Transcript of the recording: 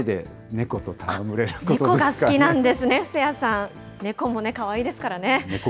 猫が好きなんですね、布施谷さん、猫もかわいいですからね。